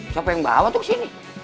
siapa yang bawa tuh ke sini